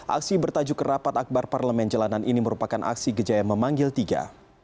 aksi bertajuk rapat akbar parlemen jalanan ini merupakan aksi gejaya memanggil tiga